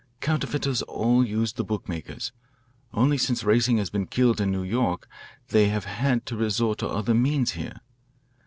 Counterfeiters all use the bookmakers, only since racing has been killed in New York they have had to resort to other means here.